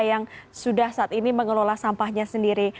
yang sudah saat ini mengelola sampahnya sendiri